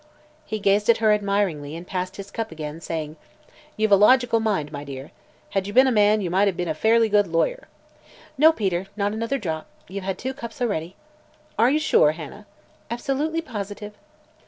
He gazed at her admiringly and passed his cup again, saying: "You've a logical mind, my dear. Had you been a man you might have become a fairly good lawyer." "No, Peter; not another drop. You've two cups already." "Are you sure, Hannah?" "Absolutely positive!"